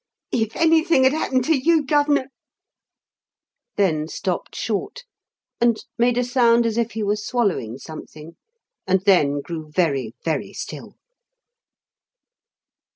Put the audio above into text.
"If anythink had've happened to you, Gov'nor ..." Then stopped short and made a sound as if he were swallowing something, and then grew very, very still.